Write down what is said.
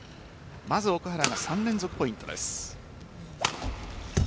まず奥原が３連続ポイントです。